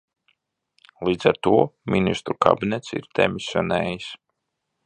Līdz ar to Ministru kabinets ir demisionējis.